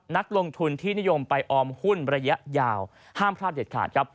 นักลงทุนที่นิยมไปออมหุ้นระยะยาวห้ามพลาดเด็ดขาดครับ